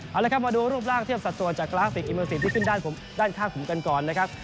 เอาละครับมาดูรูปร่างเทียบสัดส่วนจากกราฟิกอิเมอร์ซีกที่ขึ้นด้านข้างผมกันก่อนนะครับ